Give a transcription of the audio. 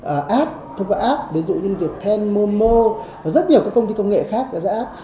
app thông qua app ví dụ như viettel momo và rất nhiều các công ty công nghệ khác đã